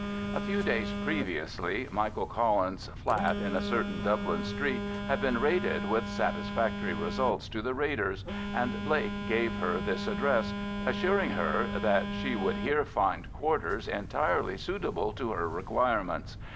A few days previously Michael Collins's flat in a certain Dublin street had been raided with satisfactory results to the raiders, and Blake gave her this address, assuring her that she would here find quarters entirely suitable to her requirements.